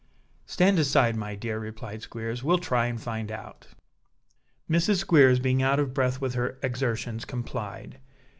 "Stand aside, my dear," replied Squeers. "We'll try and find out." Mrs. Squeers being out of breath with her exertions, complied.